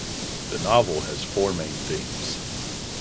The novel has four main themes.